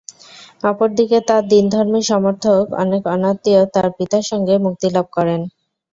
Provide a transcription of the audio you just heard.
অপরদিকে তার দীন-ধর্মের সমর্থক অনেক অনাত্মীয়ও তার পিতার সঙ্গে মুক্তিলাভ করেন।